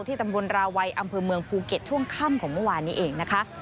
ตำบลราวัยอำเภอเมืองภูเก็ตช่วงค่ำของเมื่อวานนี้เองนะคะ